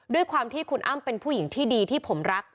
ด้วยความที่คุณอ้ำเป็นผู้หญิงที่ดีที่ผมรัก